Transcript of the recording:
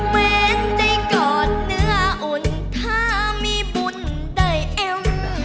เว้นได้กอดเนื้ออุ่นถ้ามีบุญได้เอ็ม